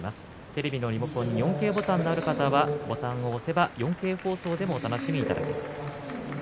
テレビのリモコンに４Ｋボタンがある方はボタンを押せば４Ｋ放送でもお楽しみいただけます。